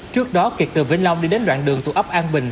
trước đó kiệt từ vĩnh long đi đến đoạn đường thuộc ấp an bình